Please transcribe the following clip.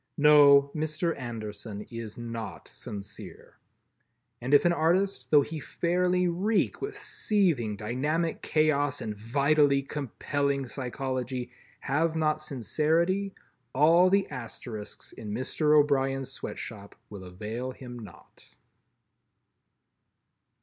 No, Mr. Anderson is not sincere. And if an artist, though he fairly reek with seething dynamic chaos and vitally compelling psychology, have not sincerity, all the Asterisks in Mr. O'Brien's sweatshop will avail him naught.